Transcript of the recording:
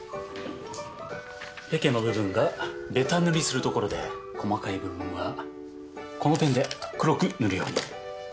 ペケの部分がべた塗りする所で細かい部分はこのペンで黒く塗るように。